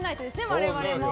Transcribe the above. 我々も。